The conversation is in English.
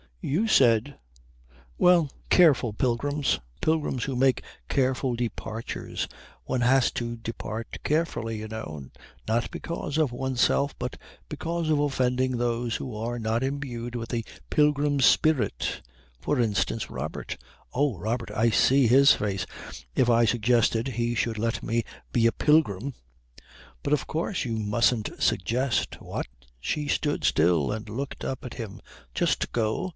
You said " "Well, careful pilgrims. Pilgrims who make careful departures. One has to depart carefully, you know. Not because of oneself but because of offending those who are not imbued with the pilgrim spirit. For instance Robert." "Oh Robert. I see his face if I suggested he should let me be a pilgrim." "But of course you mustn't suggest." "What?" She stood still and looked up at him. "Just go?"